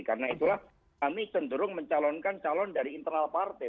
karena itulah kami cenderung mencalonkan calon dari internal partai